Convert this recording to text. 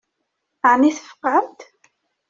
Ɛni tfeqɛemt?